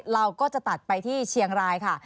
เราก็จะตัดไปที่เชียงรายค่ะ